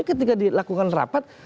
ketika dilakukan rapat